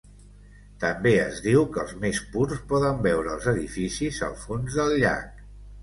També es diu que els més purs poden veure els edificis al fons del llac.